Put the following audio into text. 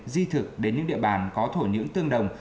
di thực đến những địa bàn có thổ nhưỡng tương đồng